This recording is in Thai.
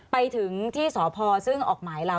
ไปถึงที่สพซึ่งออกหมายเรา